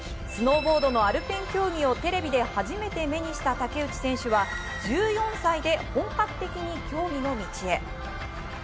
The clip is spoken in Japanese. スノーボードのアルペン競技をテレビで初めて目にした竹内選手は１４歳で本格的に競技の道へ。